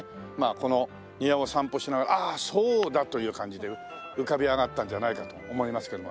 この庭を散歩しながら「ああそうだ！」という感じで浮かび上がったんじゃないかと思いますけどもね。